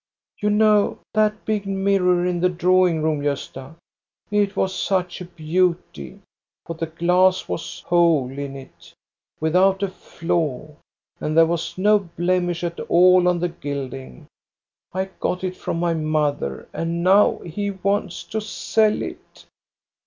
" You know that big mirror in the drawing room, Gosta. It was such a beauty, for the glass was whole 148 THE STORY OF GOSTA BE RUNG in it, without a flaw, and there was no blemish at all on the gilding. I got it from my mother, and now he wants to sell it."